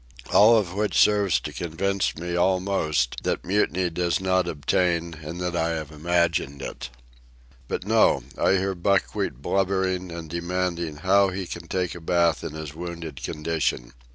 All of which serves to convince me almost that mutiny does not obtain and that I have imagined it. But no. I hear Buckwheat blubbering and demanding how he can take a bath in his wounded condition.